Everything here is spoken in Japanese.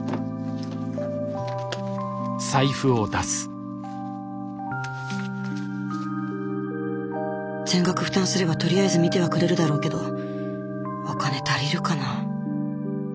心の声全額負担すればとりあえず診てはくれるだろうけどお金足りるかな？